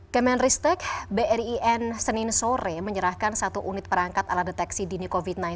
kemenristek brin senin sore menyerahkan satu unit perangkat ala deteksi dini covid sembilan belas